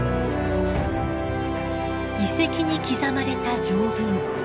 遺跡に刻まれた条文。